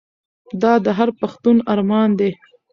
دا د هر پښتون ارمان دی.